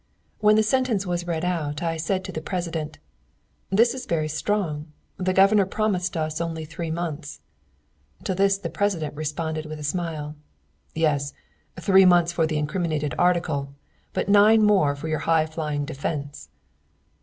When the sentence was read out, I said to the President: "This is very strange. The Governor promised us only three months." To this the President replied with a smile: "Yes, three months for the incriminated article, but nine more for your high flying defence."